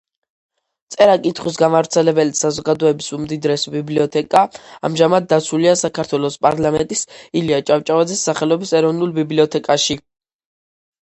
წერა-კითხვის გამავრცელებელი საზოგადოების უმდიდრესი ბიბლიოთეკა ამჟამად დაცულია საქართველოს პარლამენტის ილია ჭავჭავაძის სახელობის ეროვნულ ბიბლიოთეკაში.